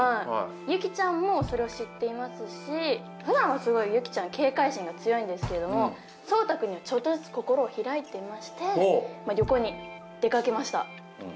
雪ちゃんもそれを知っていますしふだんはすごい雪ちゃん警戒心が強いんですけれども壮太君にはちょっとずつ心を開いていまして旅行に出かけました